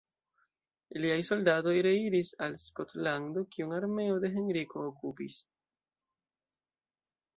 Liaj soldatoj reiris al Skotlando, kiun armeo de Henriko okupis.